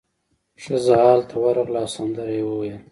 ښځه ال ته ورغله او سندره یې وویله.